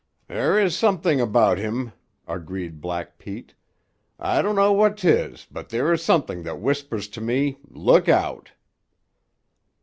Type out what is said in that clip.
"There is sometheeng about heem," agreed Black Pete, "I don't know what 'tees, but there is sometheeng that whispairs to me, 'Look out!